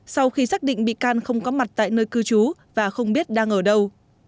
sau khi xác định bị can không có mặt tại nơi cư trú và không biết đang ở đâu